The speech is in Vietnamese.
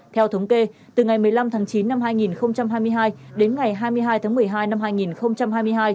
theo thống kê từ ngày một mươi năm tháng chín năm hai nghìn hai mươi hai đến ngày hai mươi hai tháng một mươi hai năm hai nghìn hai mươi hai